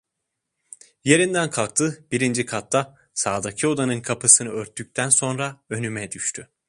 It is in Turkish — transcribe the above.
Yerinden kalktı, birinci katta, sağdaki odanın kapısını örttükten sonra önüme düştü.